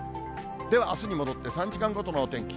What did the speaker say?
ではあすに戻って３時間ごとのお天気。